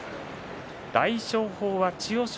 大翔鵬は千代翔